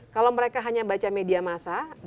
kalau mereka hanya baca media massa